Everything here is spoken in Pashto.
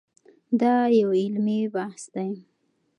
دا یو علمي بحث دی.